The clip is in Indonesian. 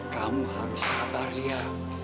kamu harus sabar lia